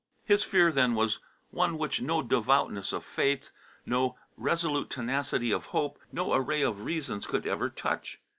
His fear then was one which no devoutness of faith, no resolute tenacity of hope, no array of reasons could ever touch.